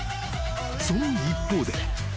［その一方で］